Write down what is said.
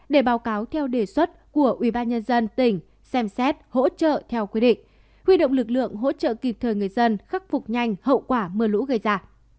để báo cáo theo đề xuất của ubnd tỉnh xem xét hỗ trợ theo quy định huy động lực lượng hỗ trợ kịp thời người dân khắc phục nhanh hậu quả mưa lũ gây ra